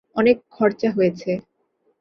অনেক খরচা হয়েছে।